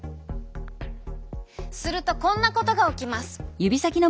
するとこんなことが起きます。